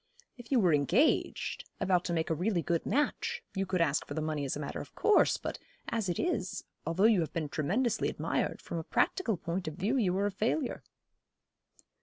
If you were engaged about to make a really good match you could ask for the money as a matter of course; but as it is, although you have been tremendously admired, from a practical point of view you are a failure.'